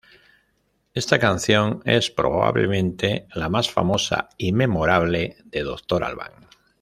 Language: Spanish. Ésta canción es, probablemente, la más famosa y memorable de Dr. Alban.